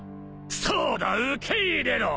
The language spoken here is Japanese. そうだ受け入れろ！